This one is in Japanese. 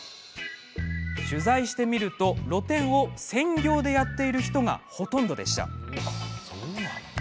取材してみると露店を専業でやっている人がほとんどでした。